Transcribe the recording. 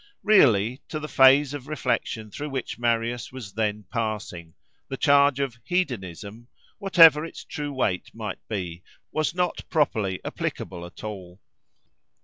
Really, to the phase of reflection through which Marius was then passing, the charge of "hedonism," whatever its true weight might be, was not properly applicable at all.